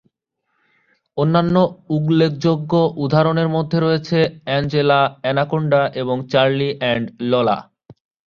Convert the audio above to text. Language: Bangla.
অন্যান্য উল্লেখযোগ্য উদাহরণের মধ্যে রয়েছে "অ্যাঞ্জেলা আনাকোন্ডা" এবং "চার্লি অ্যান্ড লোলা"।